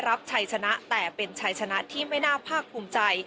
รับชัยชนะแต่เป็นชัยชนะที่ไม่น่าภาคภูมิใจ